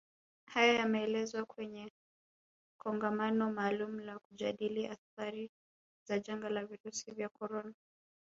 Hayo yameelezwa kwenye Kongamano maalumu la kujadili athari za janga la virusi vya corona